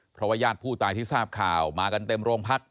เพราะว่าญาติผู้ตายที่ทราบข่าวมากันเต็มโรงพัก